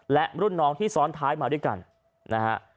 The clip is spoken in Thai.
และรุ่นน้องที่ซ้อนท้ายมาด้วยกันนะฮะ